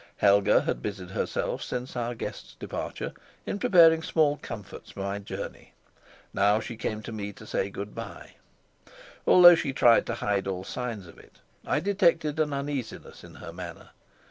Helga had busied herself, since our guest's departure, in preparing small comforts for my journey; now she came to me to say good by. Although she tried to hide all signs of it, I detected an uneasiness in her manner.